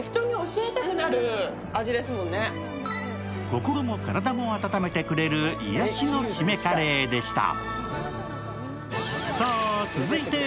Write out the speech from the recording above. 心も体も温めてくれる締めカレーでした。